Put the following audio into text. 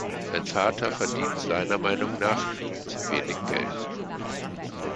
Sein Vater verdient seiner Meinung nach viel zu wenig Geld.